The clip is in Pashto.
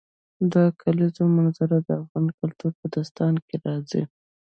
د کلیزو منظره د افغان کلتور په داستانونو کې راځي.